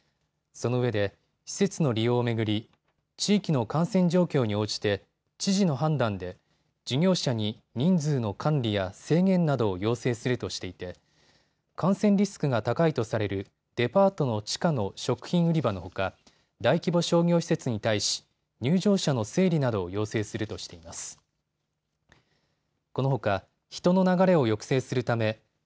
そのうえで施設の利用を巡り地域の感染状況に応じて知事の判断で事業者に人数の管理や制限などを要請するとしていて感染リスクが高いとされるデパートの地下の食品売り場のほか大規模商業施設に対し、入場者の整理などを要請するとしています。